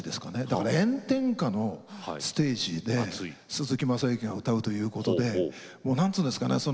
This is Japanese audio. だから炎天下のステージで鈴木雅之が歌うということでなんていうんですかね